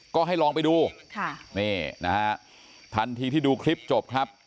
ก็ให้ลองไปดูทันทีที่ดูคลิปจบครับ